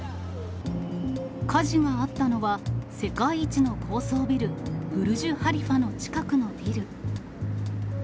火事があったのは、世界一の高層ビル、ブルジュ・ハリファの近くのビル。